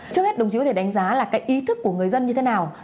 trước hết đồng chí có thể đánh giá là cái ý thức của người dân như thế nào